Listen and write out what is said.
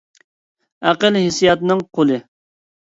ئەقىل ھېسسىياتنىڭ قۇلى.